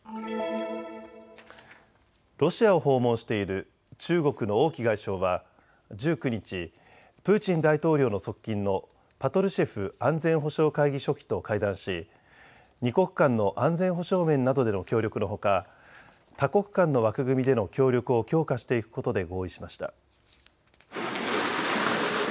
ロシアを訪問している中国の王毅外相は１９日、プーチン大統領の側近のパトルシェフ安全保障会議書記と会談し２国間の安全保障面などでの協力のほか多国間の枠組みでの協力を強化していくことで合意しました。